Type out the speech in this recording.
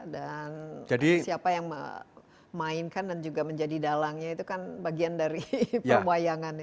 dan siapa yang memainkan dan juga menjadi dalangnya itu kan bagian dari permayangan